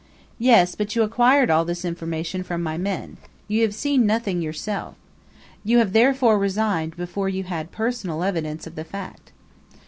"Yes; but you acquired all this information from my men; you have seen nothing yourself. You have therefore resigned before you had personal evidence of the fact."